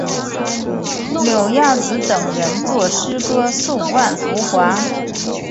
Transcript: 柳亚子等人作诗歌颂万福华。